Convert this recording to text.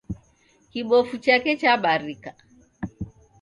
Kibofu chake chabarika